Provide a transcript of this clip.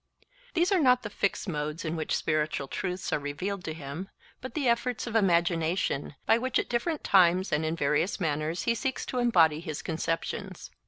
These are not the fixed modes in which spiritual truths are revealed to him, but the efforts of imagination, by which at different times and in various manners he seeks to embody his conceptions.